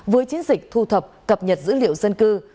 với chiến dịch thu thập cập nhật dữ liệu dân cư